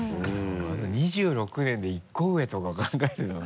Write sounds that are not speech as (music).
また２６年で１個上とか考えるの (laughs)